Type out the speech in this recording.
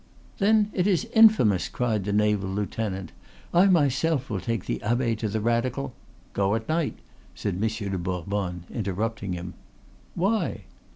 "Then it is infamous!" cried the navel lieutenant. "I myself will take the abbe to the Radical " "Go at night," said Monsieur de Bourbonne, interrupting him. "Why?"